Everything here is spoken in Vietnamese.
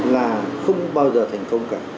là không bao giờ thành công